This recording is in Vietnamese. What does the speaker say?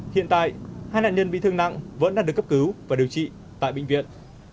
hiện tại hai nạn nhân bị thương nặng vẫn đang được cấp cứu và điều trị tại bệnh viện